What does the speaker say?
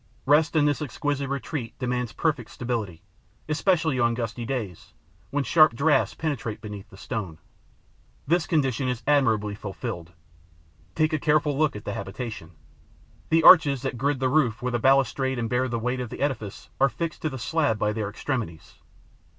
Rest in this exquisite retreat demands perfect stability, especially on gusty days, when sharp draughts penetrate beneath the stone. This condition is admirably fulfilled. Take a careful look at the habitation. The arches that gird the roof with a balustrade and bear the weight of the edifice are fixed to the slab by their extremities.